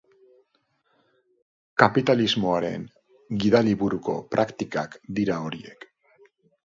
Kapitalismoaren gidaliburuko praktikak dira horiek.